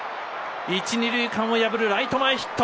１、２塁間を破るライト前ヒット。